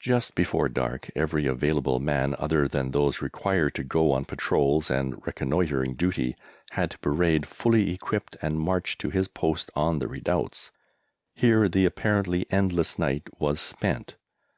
Just before dark every available man other than those required to go on patrols and reconnoitring duty had to parade fully equipped and march to his post on the redoubts. Here the apparently endless night was spent.